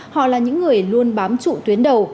họ là những người luôn bám trụ tuyến đầu